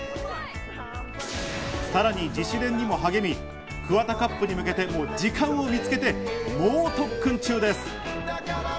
さらに自主練にも励み、ＫＵＷＡＴＡＣＵＰに向けて時間を見つけて、猛特訓中です。